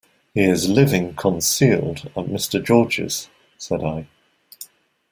"He is living concealed at Mr. George's," said I.